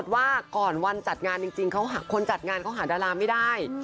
ว่าก่อนวันจัดงานจริงคนจัดงานเขาหาดาราไม่ได้